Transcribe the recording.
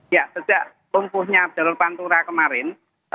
ya sejak lumpuhnya jalur pantura kemarin